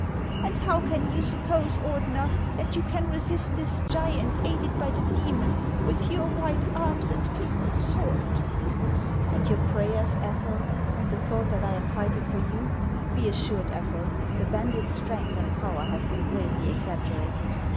And how can you suppose, Ordener, that you can resist HANS OF ICELAND. Ill this giant aided by the demon, with your white arms and feeble sword ?"" And your prayers, Ethel, and the thought that I am fighting for you ? Be assured, Ethel, the bandit's strength and power have been greatly exaggerated.